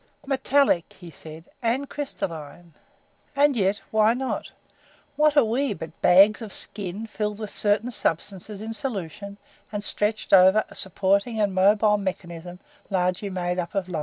"Metallic," he said, "and crystalline. And yet why not? What are we but bags of skin filled with certain substances in solution and stretched over a supporting and mobile mechanism largely made up of lime?